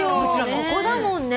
ここだもんね。